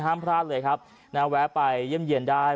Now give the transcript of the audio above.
ห้ามพลาดเลยครับแวะไปเยี่ยมเยี่ยนได้